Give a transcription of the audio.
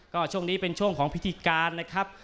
ก็ช่วงนี้เป็นช่วงของพิธีการนะครับ